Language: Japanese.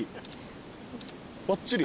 ばっちり。